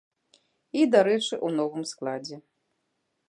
І, дарэчы, у новым складзе.